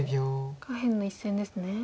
下辺の１線ですね。